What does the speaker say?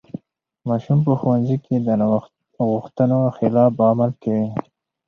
ماشوم په ښوونځي کې د غوښتنو خلاف عمل کوي.